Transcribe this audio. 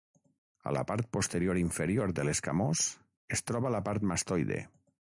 A la part posterior inferior de l'escamós es troba la part mastoide.